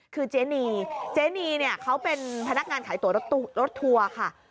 คือเจนีเจ๊นีเนี่ยเขาเป็นพนักงานขายตัวรถทัวร์ค่ะ